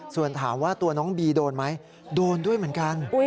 ส่วนถามว่าตัวน้องบีโดนไหมโดนด้วยเหมือนกัน